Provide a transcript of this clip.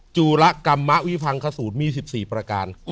จูระกรรมมะวิพังคสูตรมี๑๔ประการ